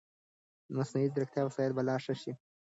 مصنوعي ځیرکتیا وسایل به لا ښه شي.